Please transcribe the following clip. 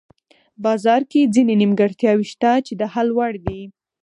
بازار کې ځینې نیمګړتیاوې شته چې د حل وړ دي.